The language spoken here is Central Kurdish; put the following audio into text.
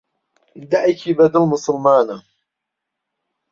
دایکی بەدڵ موسوڵمانە.